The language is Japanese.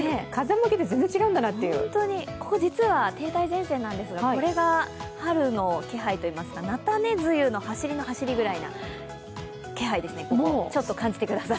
ここ実は、停滞前線なのですが、これが春の気配といいますか菜種梅雨の走りの走りぐらいな気配ですね、ちょっと感じてください